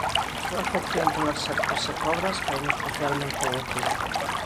A súa afección polas serpes e cobras faino especialmente útil.